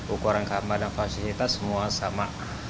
ukuran kamar dan fasilitas semua sama